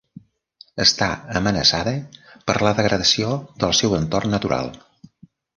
Està amenaçada per la degradació del seu entorn natural.